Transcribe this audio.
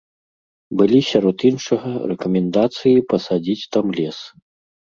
Былі сярод іншага рэкамендацыі пасадзіць там лес.